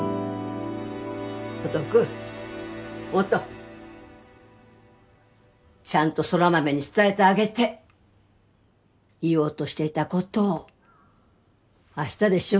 音くん音ちゃんと空豆に伝えてあげて言おうとしていたことを明日でしょ